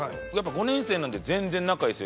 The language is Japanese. ５年生なんで全然仲いいですよ。